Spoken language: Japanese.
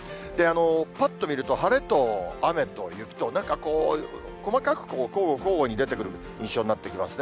ぱっと見ると、晴れと雨と雪と、なんかこう、細かく交互交互に出てくる印象になってきますね。